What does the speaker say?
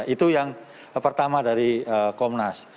itu yang pertama dari komnas